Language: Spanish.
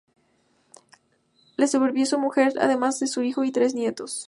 Le sobrevivió su mujer, además de su hijo y tres nietos.